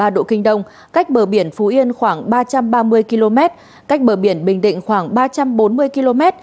một trăm một mươi hai ba độ kinh đông cách bờ biển phú yên khoảng ba trăm ba mươi km cách bờ biển bình định khoảng ba trăm bốn mươi km